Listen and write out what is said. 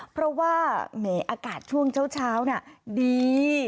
เพราะว่าแหมอากาศช่วงเช้าน่ะดี